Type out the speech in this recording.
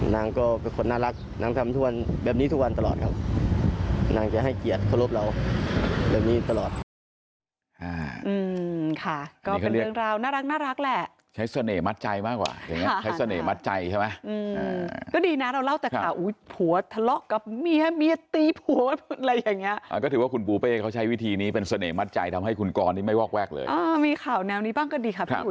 นางจะให้เกียรติเคารพเราอย่างนี้ตลอด